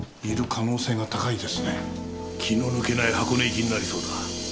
気の抜けない箱根行きになりそうだ。